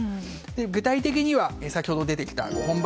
具体的には先ほど出てきた５本柱。